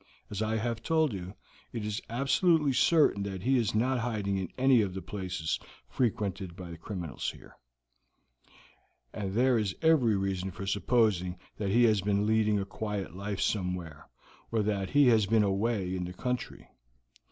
As I have told you, it is absolutely certain that he is not hiding in any of the places frequented by criminals here, and there is every reason for supposing that he has been leading a quiet life somewhere, or that he has been away in the country.